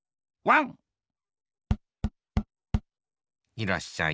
いらっしゃい。